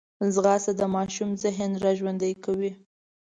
ځغاسته د ماشوم ذهن راژوندی کوي